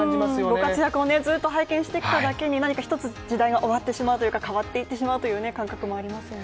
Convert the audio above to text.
ご活躍をずっと拝見してきただけに何か一つ時代が終わってしまうというか変わってしまう感覚もありますよね。